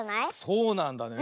そうなんだね。